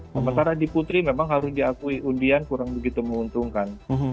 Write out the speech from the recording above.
sementara di putri memang harus diakui undian kurang begitu menguntungkan